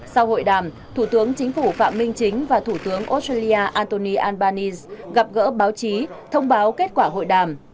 sau hội đàm thủ tướng chính phủ phạm minh chính và thủ tướng australia antoni albanes gặp gỡ báo chí thông báo kết quả hội đàm